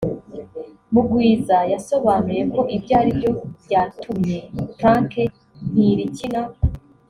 Mugwiza yasobanuye ko ibyo aribyo byatumye Frank Ntilikina